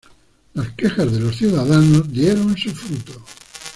Las quejas de los ciudadanos dieron su fruto.